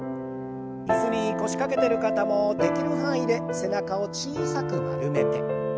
椅子に腰掛けてる方もできる範囲で背中を小さく丸めて。